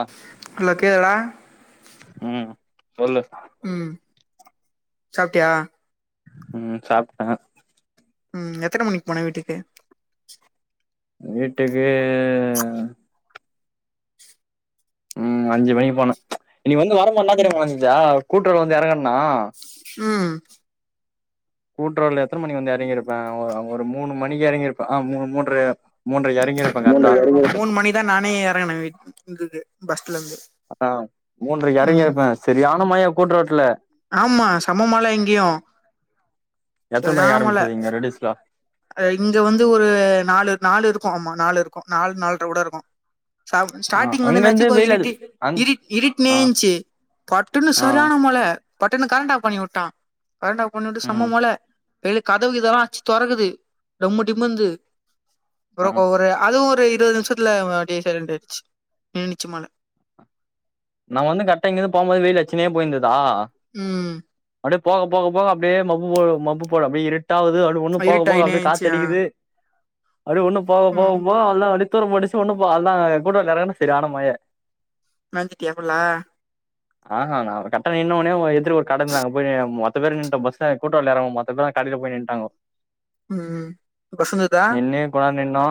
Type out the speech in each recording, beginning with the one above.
அ hello கேதுலா ம் சொல்லு ம் சாப்ட்டியா ம் சாப்ட்ட ம் எத்தன மணிக்கு போன வீட்டுக்கு வீட்டுக்கு ம் அஞ்சு மணிக்கு போன இனி வந்து வர என்னா தெரியுமா செஞ்ச கூட்டுறல வந்து எறங்கனா ம் கூட்டுறல எத்தனை மணிக்கு வந்து எறங்கிருப்பே அ ஒரு மூணு மணிக்கு எறங்கியிருப்பே ஆ மூணு மூன்ற மூன்ற எறங்கி இருப்பே கரெக்டா இதா நானு எறங்குனே வெயிட் இருந்தது பஸ்ல இருந்து ஆ மூன்றைக்கி எறங்கிருப்பே ம் இருப்பேன் செரியான மழ கூட்டு ரோட்டுல ஆமா செம மழ இங்கயு எத்தன செரியான மணிக்கு மழ ஆரம்பிச்சது இங்க ரெடிஸ்லா இங்க வந்து ஒரு நாலு நாலு இருக்கு ஆமா நாலு இருக்கு நாலு நால்ர கூட இருக்கு ச ஆ ஸ்டார்ட்டிங் வந்து அங்கருந்து என்னாச்சு கொஞ்ச வெயில் அது இருட்டி அங் ஆ இருட்டினேஞ்சு பட்டுன்னு ஆ செரியான மழ பட்டுன்னு கரண்ட் ஆஃப் பண்ணி விட்டான் கரண்ட் ஆஃப் பண்ணிவிட்டு செம்ம ம் மழ வெளியில கதவு இதெல்லா அட்ச்சு தொறக்குது டம்மு டிம்முனுது ஆ அப்றோ ஒரு அதுவு ஒரு இருவது நிம்ஷத் துல அப்டியே சைலன்ட் ஆயிடுச்சு நின்னுச்சு மழ நா வந்து கடரெக்டா இங்கிருந்து போகும்போது வெயில் அடுச்சுனே போயிருந்ததா ம் அப்டியே போக போக போக அப்டியே மப்பு போ மப்பு போல அப்டியே இருட்டாவது அ ஒண்ணு போக போக இருட்டாயினே அப்டியே இருந்ச்சு காத்து ஆ அடிக்குது அப்டியே ஒன்னு போக போக ம் போக அவ்ளோதா அப்டியே தூர போட்டிச்சு ஒண்ணும் போ அ அவ்ளதா செரியான மழ நஞ்சுட்டியா ஃபுல்லா ஆ க டக்குனு இன்ன ஒன்னியு எதிர்க்க ஒரு கட இருந்தது நாங்க போயி மொத்த பேரு நின்டோ பஸ்ல கூட்டோ எறங்குன மொத் தோ பேரு கடையில போயி நின்டாங்கோ ம் பஸ் வந்துதா நின்னு கொஞ் நேரோ நின்னோ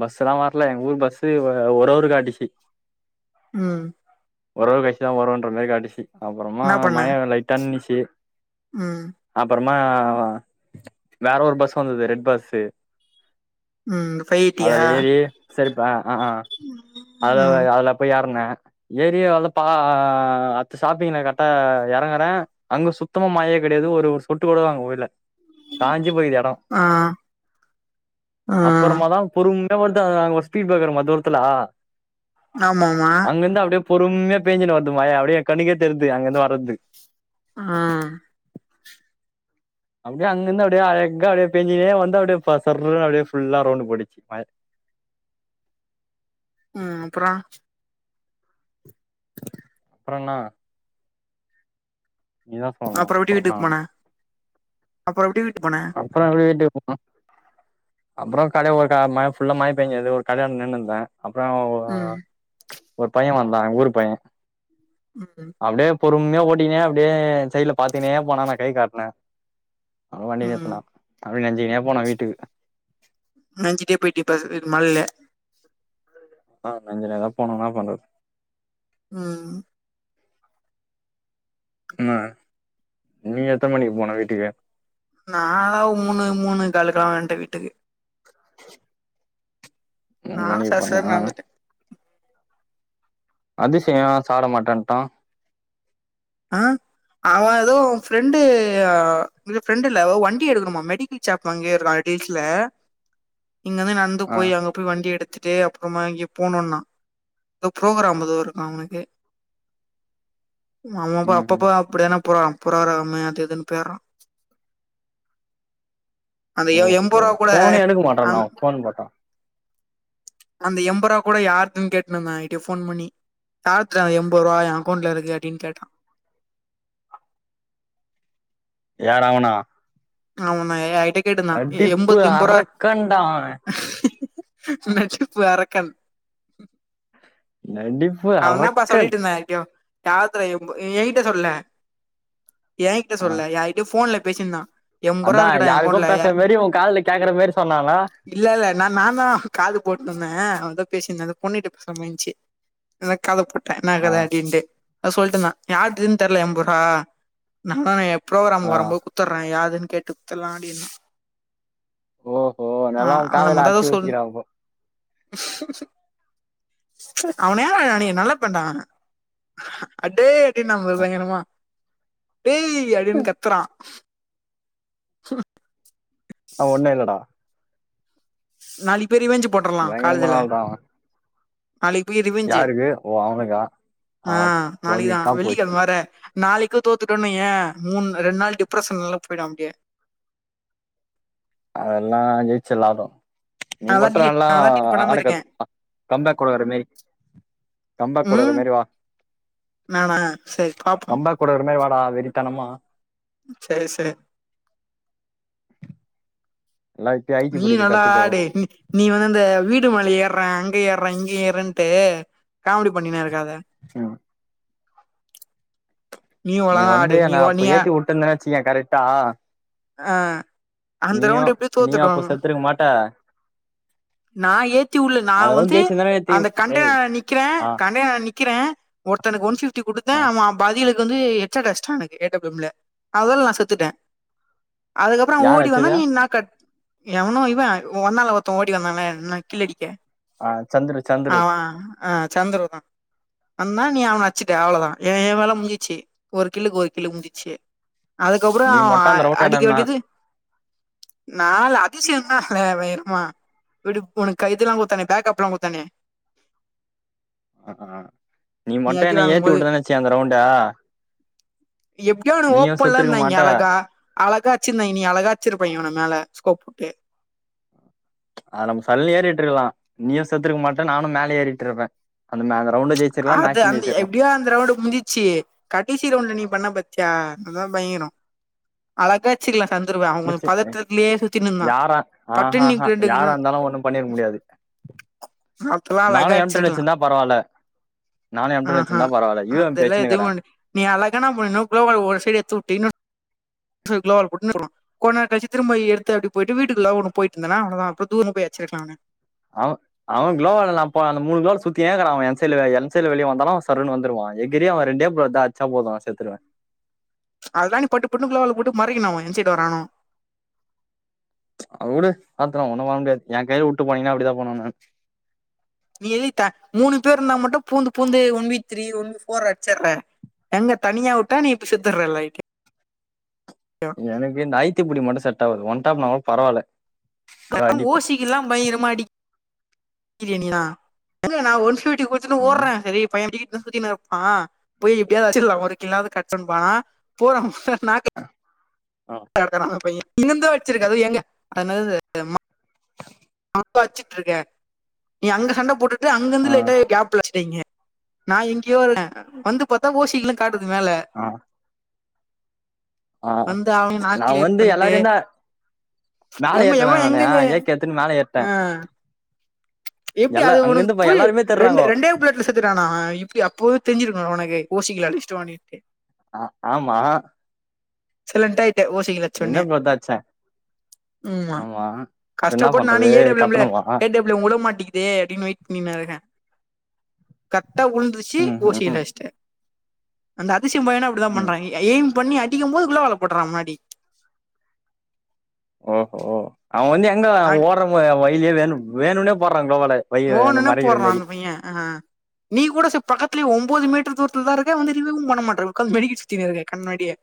பஸ் எல்லா வர்ல எங்க ஊர் பஸ்ஸு ஒரு ஒரு அவர் காட்டிச்சு ம் ஒரு அவர் கழிச்சி தா வருன்ற மாரி காட்டிச்சி அப்புறமா என்னா பண்ண மய லைட்டா நின்னுச்சி ம் அப்புறமா வேற ஒரு பஸ்ஸு வந்தது ரெட் பஸு ம் ஃபை எயிட்டியா அதுல ஏறி செரிப்பா அ அ அதுல ம் அதுல போயி ஏர்னே ஏறியே வல்ல பா அடுத்த ஸ்டாப்பிங்ல கரெக்டா எறங்குறே அங்க சுத்தமா மழையே கெடையாது ஒரு ஒரு சொட்டு கூட அங்க உழல்ல காஞ்சி போயிக்குது எடோ ஆ ஆ அப்புறமா தா பொறுமையா வருது அத அங்க ஒரு ஸ்பீட் ப்ரேக்கர்மா தூரத்துல ஆம ஆமா அங்கிருந்து அப்டியே பொறுமையா பேஞ்சுனு வருது மழ அப்டியே கண்ணுக்கே தெர்து அங்கருந்து வர்றது அ அப்டியே அங்கந்து அப்டியே அழக்கா அப்டியே பேஞ்சினே வந்து அப்டியே ப சர்ன்னு அப்டியே ஃபுல்லா ரவுண்டு போடிச்சி மழ அ அப்றோ அப்றோ இன்னா நீதா சொல்ணு அப்புறோ எப்டி அப்றோ என்னா வீட்டுக்கு போன அப்புறோ எப்டி வீட்டுக்கு போன அப்புறோ வீட்டுக்கு போ அப்புறோ கடை [unintelligible] மழ ஃபுல்லா மழ பெய்ஞ்சது ஒரு கடையான்ட நின்னுருந்த அப்றோ ஒரு ம் ஒரு பையே வந்தா எங் ஊரு பையே ம் அப்டியே பொறுமையா ஓட்டினே அப்டியே சைட்ல பாத்தினே போனா நா கை காட்ன அவ வண்டி நி ம் அப்டியே நஞ்சினே போன வீட்டுக்கு நஞ்சிட்டே போயிட்டியா பஸ் மழ்ல அ நஞ்சினேதா போனே இன்னா பண்றது ம் ம் அ நீ எத்தன மணிக் போன வீட்டுக்கு நா மூணு மூணே காலுக்லா வந்ட்ட வீட்டுக்கு நா மூணு மணிக்கு சர போனியா சரன் நடந்துட்டே அதிசு ஏ சாப்ட மாட்டன்டா அ அவெ எதோ ஃப்ரெண்டு அ இல ஃப்ரெண்டு இல்ல வ வண்டி எடுக்கணுமா மெடிக்கி ஷாப் அங்கே இருக்கா ரெட்டீஸ்ல இங்கேந்து நடந் து ஆ போய் அங்க போய் வண்டி எடுத்துட்டு அப்றமா எங்கயோ போணுன்னா எதோ ஃப்ரோக்ராம் எதோ இருக்கா அவனுக்கு அமாப்பா ம் ம் அப்பப்பா அப்டிதான போறா ஃப்ரோகிராமு அது இதுன்னு பொயர்றா அந்த ஓ எ ஓ எம்போரூவா கூட ஃபோனே எடுக்க மாட்றான்டா அந் அவ ஃபோன் போட்டா அந்த எம்பரூவா கூட யாருதுன் கேட்னுருந்தா எங்கிட்டே ஃபோன் பண்ணி யார்த்துடா எம்போரூவா எ அக்கெளண்ட்ல இருக்கு அப்டின்னு கேட் யார் அவனா அவனா ய யார்கிடோயோ கேட்ருந்தா எ நடிப்பு எம்பத் எம்போரா அரக்கன்டா அவ நடிப்பு அறக்கன் நடிப் அவந்தாப்பா சொல்லிட்டுருந்தா யார்கிட்யோ யார்த்தோர எம்பு எங்கிட்ட சொல்லுல எங்கிட்ட ஆ சொல்ல யார்கிட்டயோ ஃபோன்ல பேசின்ந்தா அதா யாருக்கோ பேசுற மாரி ஒ காதுல கேக்குற மாரி சொன்னானா இல்ல இல்ல நா நாந்தா காது போட்ருந்தே அவெ எதோ பேசிருந்தா எதோ பொண்ணுகிட்ட பேசுற மாரி இருந்ச்சு அதா காத போட்ட என்னா ஆ கத அப்டின்ட்டு அத சொல்ட்டுருந்தா யார்துன் தெர்ல எம்ப ரூவா நம்மதாயெ ப்ரோகராம்கு ஆ வரம்போது குத் த்தர்றே யாருதுன் கேட்டுக் குட்த்தர்லா அப்டின்னா ஓஹோ ஆ நல்லா உ அந்த காதுல மாரிதா எதோ அடிச்சு சொல் ஊத்திக்கிறா அப்போ அவ நேரோ அன்னிக்கு நல்ல பையன்டா அவெ அடே அப்டின்னா பாரு பயங்கரமா டேய் அப்டின்னு கத்துறா அவ ஒன்னே இல்லடா நாளிக்குப் போய் ரிவேஞ்சு போட்ரலா பயங்கரமான காலேஜுல ஆள் தான் அவன் நாளைக் போய் ரிவேஞ்சு யாருக்கு ஓ அவனுக்கா ஆ நாளைக்குதா பண்ணிட்டா போச்சு வெள்ளிக்கெழம வேற நாளிக்கு தோத்துட்டோன்னு வய்ய மூண் ரெண் நாள் டிப்ரஷன்ல்ல போயிடு அப்டியே அதெல்லா ஜெயிச்சுர்லாவ்ட்டு நீ நான்தா மட்டு டெலிட் நல்லா நான்தா டெலிட் பண்ணாம இருக்கே ஆடக்கத்துக் [inaudible] கம்பேக் குக்ற மாரி கம்பேக் குடுக்ற ம் மாரி வா நானா சரி பாப்போ கம்பே கூட வர மாரி வாடா வெறித்தனமா செரி சே லை நீயு நல்லா ஆடு ம் நீ வந்து அந்த வீடு மேல ஏர்ற அங்க ஏர்ற இங்க ஏர்றன்ட்டு காமெடி பண்ணினு இருக்காத ம் நீ ஒழுங்கா வந்து ஆடு நீ என்ன ஒ- நீ அப்ப ஏத்தி உட்டுந்தனு வச்சுக்கயே கரெக்டா அ அந்த நீயு ரவுண்டு எப்டியோ நீயு தோத்துர்றோ அப்போ செத்துருக்க மாட்ட நா ஏத்திவுல்ல நா அந்த ரவுண்ட் வந்து ஜெயிச்சிருந்தனா ஏத்தி அந்த டேய் கண்டெய்னரல நிக்கிற ஆ கண்டெய்னரா நிக் க்கிற ஒருத்தனுக்கு ஒன் ஃபிஃப்டி குடுத்த ஆ அவ பதிலுக் கு வந்து எக்ஸ்ட்ரா அட்சுடானுங்க நான் கேட்ட பிலிம்ல அதனால்ல நான் செத்துட்ட அதுக்கப்றோம் அவன் யார் ஓடி அடிச்சது வந்தான் நீ இன்னா கட் எவனோ இவன் இவன் வந்தால ஒர்த்தன் ஓடி வந்தான்ல நக்கில் அடிக்க ஆ சந்துரு சந்துரு ஆமா அ சந்திரு தான் வந்தா நீ அவன அடிச்சிக்கஅவ்ளதான் என் எ வேல முடிஞ்சி சேரி ஒரு கில்லுக்கு ஒரு கில்லு முடிஞ்சி அதுக்கப்றோம் நீ அவன் மட்டு அந்த ரவுண்ட அடிக்க என்ன வேண்டியது நாலு அதிசயம்தான் சார் இருக்கலாம் விடு உனக்கு இதுல்லாம் குடுத்தாங்க பேக் அப்ல்லாம் குடுத்தாங்க அ அ நீ மட்டும் அடி என்ன வாங்கும் ஏத்தி போது உட்டுருந்தனு வச்சிக்கோயேன் அந்த ரவுண்ட எப்டியோ இவனுங்க நீயு செத்துருக்க ஓப்பன்லன்னாய்ங்க மாட்ட அழகா அழகா அச்சிருந்தாய்ங்க நீ அழகா அச்சிருப்பாய்ங்க இவன மேல ஸ்கோப் போட்டு அது நம்ம சல்லுன்னு ஏறிட்டு இருக்கலாம் நீயும் செத்துருக்க மாட்ட நானும் மேல ஏறிட்டுருப்பேன் அந்த மே அந்த ரவுண்டே ஜெயிச் அது அந்த எப்டியோ அந்த ரவுண்டு முஞ்சிச்சி கடைசி ரவுண்ட்ல நீ பண்ண பத்தியா அதான் பயங்கரோம் அழகா அச்சிருக்கலாம் சந்துருவ அவ ஒரு மிஸ்ஸு பதட்டத்துலயே சுத்தினுருந்தான் யாரா பட்டுனு நீ ஆஹாஹா ரெண்டுக்கு யாரா ரெண் இருந்தாலு ஒண்ணு பண்ணிருக்க முடியாது அப்பலாம் அழகா நானு எம் டென் அடிச்சிருக்லாம் வச்சிருந்தா பரவால்ல நானு எம் டென் அஹா வச்சிருந்தா பரவால்ல யூ எம் பி அதெல்லாம் எதோ வச்சுனுக்கிறே ஒன்னு நீ அழகா இன்னா பண்ணனும் ஒரு சைடு எடுத்துவுட்டு இன்னோ எடுத்துயிருக்கலாம் அவன் பொட்டுன்னு போடுவான் கொஞ்ச நேரம் கழிச்சி திரும்ப எடுத்து அப்டி போயிட்டு வீட்டுக்குள்ள ஒன்னு போயிட்டுந்தன்னா அவ்ளதான் அப்றோம் தூரமா போய் அச்சிருக்கலாம் அவன அ அவன் க்ளோவால நான் போல அந்த மூணு க்ளோர்ல சுத்தின்னேகிறான் அவன் எந்த சைல்ல எந் சைல்ல வெளிய வந்தாலும் அவன் சர்ருன்னு வந்துருவான் எகிறியே அவ ரெண்டே க்ளோ தான் அ ச்சா போதும் நான் செத்துருவேன் அதுதான் நீ பட்டு பட்டுன்னு க்ளோல்லப் போட்டு மறைக்கனும் அவன் எந்த சைடுல வரானோ அ உடு பாத்துக்லாம் ஒன்னு பண்ண முடியாது என் கையில உட்டு போனீங்னா அப்டிதான் பண்ணுவேன் நானு ஏ மூணு பேருனா மட்டும் பூந்து பூந்து ஒன் வின் த்ரீ ஒன் போர்னு அடுச்சுற எங்க தனியா உட்டா நீ இப்ப செத்துற லைக்கு எனக்கு இந்த அய்த்தி புடி மட்டு செட் ஆவாது ஒன் டாப்ன்னா கூட பரவால்ல பேசாம அடிப்பே ஓசிக்கெல்லாம் பயங்கரமா அடி பிரியாணிலாம் எங்கே நான் ஒன்னு ஃப்பிப்டி குத்துனு ம் ஓட்றேன் செரி பையன் இப்டி சுத்திக்கீன் ஆ போய் எப்டியாவ்து அச்சில்லாம் ஒனக்கில்லாது கட்டொன் போனா போறான் ம் அ நாக் ம் நடத்துறான் மாமா பையன் இங்க இருந்தா வெச்சிருக்காது அதாவது எங்கே அதாவது அப்ப அச்சிட்ருக்கேன் நீ அங்க சண்ட போட்டுட்டு அங்கெந்து ஆ லைட்டா கேப்ல அச்சிட்ட இங்கே நான் எங்கியோ வறேன் வந்து பாத்தா ஓசில்ல காட்டுது மேல ஆ ஆ வந்து அவன நா நான் கிளியர் வந்து பண்ட்டு எல்லாரையுந்தா மேல எம்ம ஏற்டனா எவ எங்கங்க நானு எ கே எடுத்துனு மேல ஏற்டேன் ஆ எப்டி அது உனக்கு புரியுது ரெண்டு தேடுறாங்கோ ரெண்டே ப்லட் செத்துட்டானா அவன் இப்டி அப்போவே தெரிஞ்சிருக்கும் உனக்கு ஓ சிக்குல அடிச்சிட்டோன்னுட்டு அ ஆமா சைலண்டா ஆயிட்டேன் ஒ என்னனு பாத்து அடிச்சேன் ம் மா இப்ப என்ன கஷ்டப்பட்டு நானே பண்றது எற கத்தணுமா விரும்பல உள்ள உட மாட்டீங்கிது அப்டின் வெயிட் பண்ணினுருங்கேன் கரக்ட்டா உழுந்துச்சி ம் ஓ சி ல ம் அடுச்சிட்டேன் அந்த அதிசயம் பையனும் அப்டித்தான் ம் பண்றா எயிம் பண்ணி அடிக்கும்போது உள்ளவலப்போட்டுற முன்னாடி ஓ ஒ அவ வந்து எங்க ஓட்ற வ வயிலியே வேணு வேணுன்னே போட்றா கோவாள ஓணுனே போட்றா அந்த பைய அ நீ கூட செ பக்கதுலெயே ஒன்பது மீட்ரு தூர்த்துல் தா இருக்க வந்து எரிவ ஒண்ணு பண்ணமாற்ற ஒக்காந்து மெழுகி சுத்தினுருக்கெ கண்ணாடியே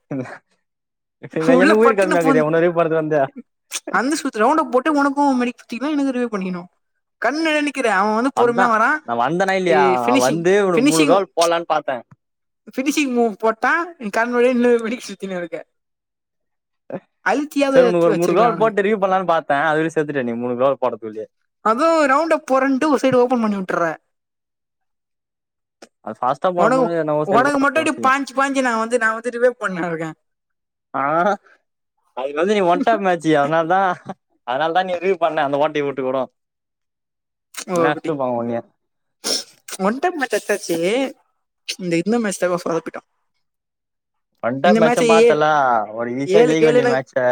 உள்ள எனுகு உயிர் பட்டுன்னு கம்மியாகுதெ பூந்து உன்னருவெ போர்றது வந்து அந்த சுத்து ரவுண்டப் போட்டு உனுக்கு உ மெடி சாதிக்கலாம் எனுக்கு ரிவிவ் பண்ணிக்கிணு கண்ணெரெ நிக்கிற அவ பொறும்ய அதான் வரா நான் வந்தேனா எ இல்லையா அவன் ஃப்னிஷிங் வந்து உனக்கு மூணு ஃப்னிஷிங் கோல் போடலான்னு பார்த்தேன் ஃப்னிஷிங் மூவ் போட்டா நீ கலம்ரவர்ய நின்னு மணிக் சுத்தினுருக்க செரி உனுக்கு ஒரு மூணு வச்சிருக்கலாம் கோல் அவனுக்கு போட்டு ரிலீவ் பண்ணலானு பாத்தே அதுல செத்துட்டே நீ மூணு கோல் போடதுல்லியே அதுவு ரவுண்டப் போறேன்ட்டு ஒரு சைடு ஓபன் பண்ணிவுட்டுறே அது ஃபாஸ்டா உனக் போடும்போது என்னவோ உனக்கு மட்டோ செயல்பட அப்டியே செய்யும் பா க்சி பாஞ்சி நா வந்து நா வந்து ரிவேவ் பண்ணிருக்கே ஆ அதுக்கு வந்து நீ ஒன்டாப் மேச்சு அத்னால் தா அதனால் தா நீ ரிவி வ் பண்ண அந்த ஓட்டய உட்டு கூட ஓ இல்லனா அப்படி அடிச்சிருப்பாங்க உன்னைய ஒன் டெம் மேச் அச்சாச்சி இந்த இன்னு மேச்தாப்பா சொதப்பிட்டா ஒண்டெம் மேட்சு பாத்தல்ல ஒரு ஈசியா ஏழு ஜெயிக்க வேண்டிய கேளுன்னு மேட்ச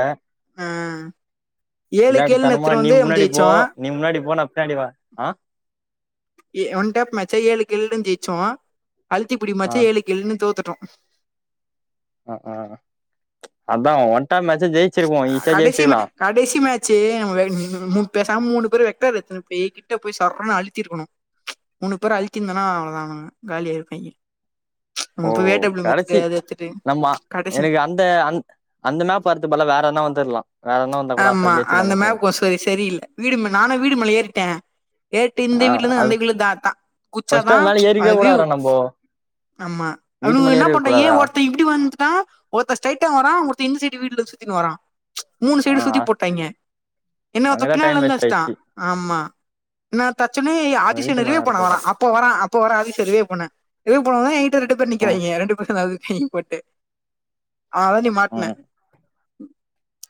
ஏழு கேளுன்னு விலாட்டுத்தனமா எத்தனை நீ வந்து நம்ம முன்னாடி போ ஜெயிச்சோம் நீ முன்னாடிபோ நா பின்னாடி வா ஆ எ ஒன் டேப் மேச்செ ஏழு க்ள்டுங் ஜெயிச்சோ அழுத்தி புடி ஆ மேச்சி ஏழு க்ள்னே தோத்துட்டோ அ அதா ஒன்டாப் மேச்சோ ஜெயிச்சிருப்போ ஈசியா கடைசி மே ஜெயிஸ்ட்ருக்லா கடைசி மேட்ச்சு ஆ பேசாம மூணு பேரோ ரெக்டார் எத்துன் போயி கிட்ட போய் சர்ருனு அழுத்திருக்கணு மூணு பேரு அழ்த்திந்தனா அவ்ளதா அவுனுங்க காலியாயிர்ப்பீங்க நம்மோ ஓ அப்பவே டேபுள வெச்சிட்டு கடைசி அது எத்துட்டு நம்ம கடைசி எனக்கு அந்த அந் அந்த மேம்ப் வர்ரத்துக்கு பத்லா வேற எதுனா வந்துர்க்லா வேற எத்னா வந்தா கூட அசல்ஸ்டா ஜெயிச்சில்லாமா தோனு சோ செரியில்ல வீடு மே நானொ வீடு மேல ஏறிட்டே ஏர்ட்டு இந்த ஆ வீட்ல இந்து அது அந்த வீட்ல தாத்தா ஃபர்ஸ்ட் குச்சாதா அது மேல அந்த ஏறிக்கவே விவ் கூடாதுடா நம்போ ஆமா வீட்டு அவுனுங்க மேல என்ன ஏறிற பண்ணிடாங்க ஏ கூடாதுடா ஒர்த்த இப்டி வந்ட்டா ஒர்த்த ஸ்டெயிட்டா வரா ஒர்த்த இந்த சைடு வீடுல்லந்து சுத்துனுவரா மூணு ஆ சைடு சுத்தி போட்டாங்கெ என்ன ஒர்த்த அங்கதா பின்னாள டைம் இந்து வேஸ்ட் அடிச்சிடா ஆயிடுச்சு ஆமா நா தச்சொனே அந்த ஆதிசேயொ வீட்டு என்ன ரிவே மேல பண்ண இருக்கிறது வரா தான் அப் அப்போ வரா அப்போ வரானு சொல்லி ரிலீவ் பண்ண ரிலீஸ் பண்ணோன்னயே இக்கட்டு ரெண்டு பேரு நிக்குறாங்க ரெண்டு பேரு எதாவது போட்டு ஆ தா நீ மாட்டன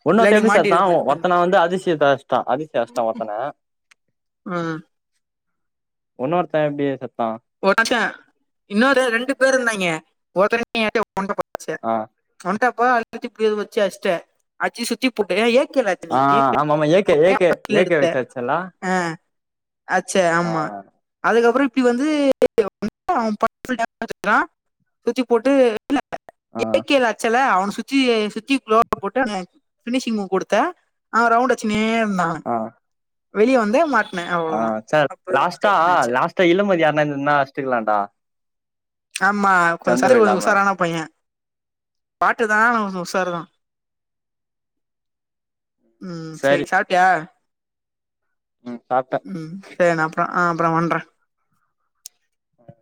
இன்னொத்த எப்டி மாட்டிருக்க செத்தான் மாட்ட உக்காந்து. ஒத்தன வந்து அதிர்ச்சு அஷ்டான் அதிர்ச்சு அடிச்சுட்ட ஒருத்தன உம் ஒன்ன ஒருத்தன் எப்டி செத்தா உடச்ச இன்னொரு ரெண்டு பேர் இருந்தாங்க ஒருத்தனு [unintelligible] போச்ச ஆ ஒன்டாப்பா அழுத்தி புடிய வச்சு அச்சேன் அச்சி சுத்தி புட்டேன் ஏன் ஏக்கென ஆ ஆம்மாம்மா ஏக்க ஏக்கே ஏகே வச்சு அச்சல்ல அடிச்ச ஆமா அதுக்கப்பறம் இப்டி வந்து அவ [unintelligible] சுத்தி போட்ட ஆ ஏ கேல அச்சல அவன் சுத்தி சுத்தி குளோ போட்டு பினிஷிங்க கொடுத்த ஆ ரவுண்ட் வச்சினே இருந்தா ஆ வெளிய வந்து ஆ அவ்ளோதா சார் அப்பவே லாஸ்ட்டா முடிச்சுட்டாய்ங்க மேட்ச லாஸ்ட்டா இளமதி அண்ண நின்னா அச்சுடுக்கலான்டா ஆமா கொஞ் ஃபஸ்ட்டு கொஞ்சோ உஷாரானா பைய பாட்டுதா ஆனா கொஞ்சோ உஷாரு தா ம் செரி சரி சாப்ட்டியா ம் சாப்பிட்டு ம் சேரி நா அப்பறோ ஆ அப்பறோ பண்ற அ